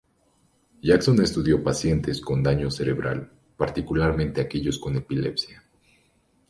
Jackson estudió pacientes con daño cerebral, particularmente aquellos con epilepsia.